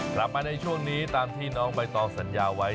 กลับมาในช่วงนี้ตามที่น้องใบตองสัญญาไว้